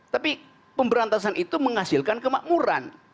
tapi pemberantasan itu menghasilkan kemakmuran